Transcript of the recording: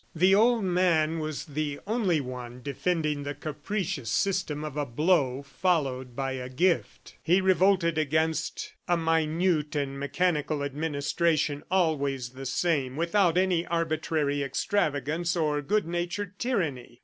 The old man was the only one defending the capricious system of a blow followed by a gift. He revolted against a minute and mechanical administration, always the same, without any arbitrary extravagance or good natured tyranny.